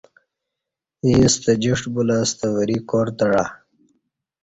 ییں ستہ جِیݜٹ بُولہ ستہ وری کار تعہ